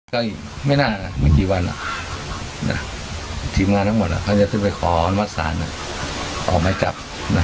ก็อีกไม่น่ามีกี่วันอ่ะทีมงานทั้งหมดอ่ะพระเจ้าที่ไปขอออนวัฒรษาออกหมายจับ